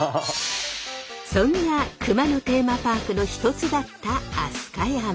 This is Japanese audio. そんな熊野テーマパークの一つだった飛鳥山。